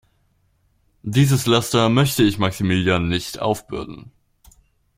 Dieses Laster möchte ich Maximilian nicht aufbürden.